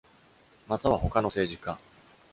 または他の政治家。